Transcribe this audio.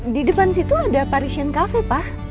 di depan situ ada parisan cafe pak